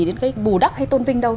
đến cái bù đắp hay tôn vinh đâu